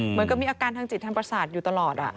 เหมือนกับมีอาการทางจิตทางประสาทอยู่ตลอด